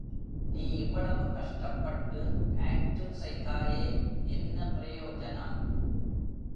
நீ இவ்வளவு கஷ்டப்பட்டு ஆக்டு செய்தாயே, என்ன பிரயோஜனம்?